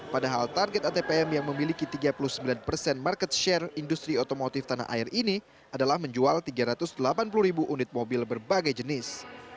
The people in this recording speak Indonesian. padahal target atpm yang memiliki tiga puluh sembilan persen market share industri otomotif tanah air ini adalah menjual tiga ratus delapan puluh ribu unit mobil berbagai jenis